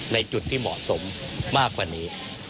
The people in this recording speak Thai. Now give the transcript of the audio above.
ในจุดที่เหมาะสมมากกว่านี้